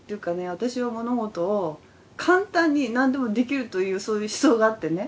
私は物事を簡単になんでもできるというそういう思想があってね。